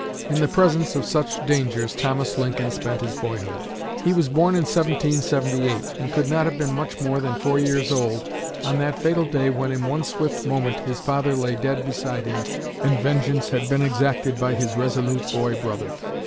In the presence of such dangers Thomas Lincoln spent his boyhood. He was born in 1778, and could not have been much more than four years old on that fatal day when in one swift moment his father lay dead beside him and vengeance had been exacted by his resolute boy brother.